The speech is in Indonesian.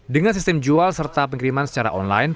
dengan sistem jual serta pengiriman secara online